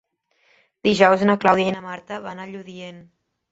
Dijous na Clàudia i na Marta van a Lludient.